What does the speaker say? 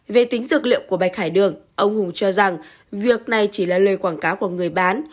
về tính dược liệu của bạch hải đường ông hùng cho rằng việc này chỉ là lời quảng cáo của người bán